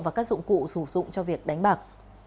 và các dụng cụ sử dụng cho việc đánh bạc